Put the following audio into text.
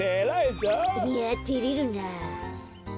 いやてれるなあ。